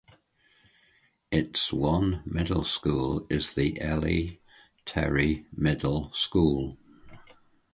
Its one middle school is the Eli Terry Middle School.